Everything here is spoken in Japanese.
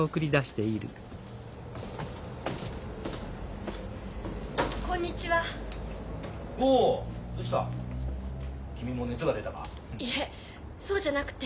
いえそうじゃなくて。